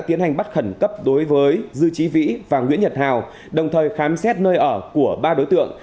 tiến hành bắt khẩn cấp đối với dư trí vĩ và nguyễn nhật hào đồng thời khám xét nơi ở của ba đối tượng